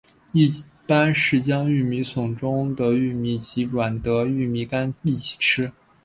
一般是将玉米笋中的玉米及软的玉米秆一起吃。